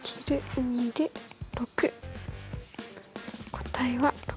答えは６。